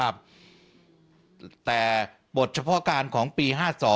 แต่บทเฉพาะการของปี๕๒